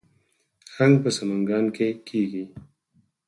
هنګ په سمنګان کې کیږي